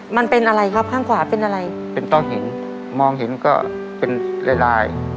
มันเป็นอะไรครับข้างขวาเป็นอะไรเป็นต้องเห็นมองเห็นก็เป็นลายลาย